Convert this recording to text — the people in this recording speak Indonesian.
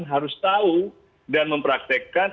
harus tahu dan mempraktekkan